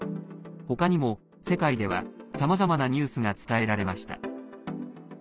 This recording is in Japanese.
他にも、世界ではさまざまなニュースが伝えられました。